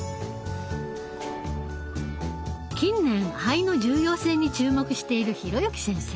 近年肺の重要性に注目している弘幸先生。